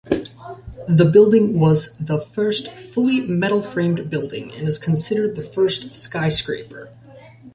The building was the first fully metal-framed building, and is considered the first skyscraper.